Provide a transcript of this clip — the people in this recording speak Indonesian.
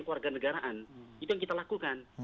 keluarga negaraan itu yang kita lakukan